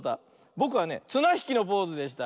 ぼくはねつなひきのポーズでした。